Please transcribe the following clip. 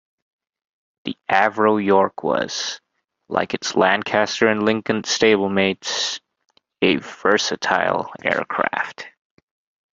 The Avro York was, like its Lancaster and Lincoln stablemates, a versatile aircraft.